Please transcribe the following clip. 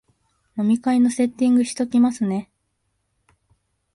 飲み会のセッティングしときますね